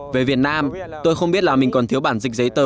về việt nam tôi không biết là mình còn thiếu bản dịch giấy tờ